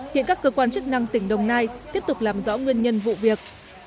hiện các cơ quan chức năng tỉnh đồng nai tiếp tục làm rõ nguyên nhân vụ việc